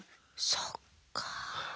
そっか。